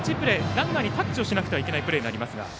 ランナーにタッチをしなければならないプレーになります。